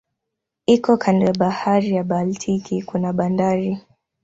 Iko kando ya bahari ya Baltiki kuna bandari.